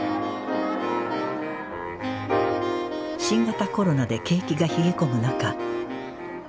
新型コロナで景気が冷え込むなか